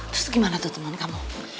terus gimana tuh teman kamu